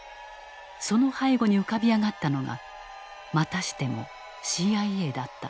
その背後に浮かび上がったのがまたしてもＣＩＡだった。